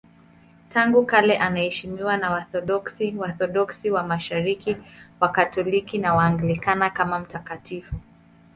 Tangu kale anaheshimiwa na Waorthodoksi, Waorthodoksi wa Mashariki, Wakatoliki na Waanglikana kama mtakatifu.